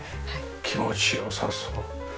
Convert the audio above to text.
気持ちよさそう。